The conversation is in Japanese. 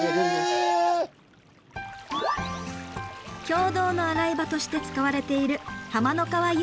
共同の洗い場として使われている浜の川湧水。